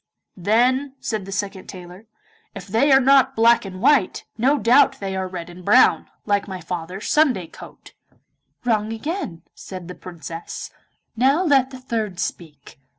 'Then,' said the second tailor, 'if they are not black and white, no doubt they are red and brown, like my father's Sunday coat.' 'Wrong again,' said the Princess; 'now let the third speak.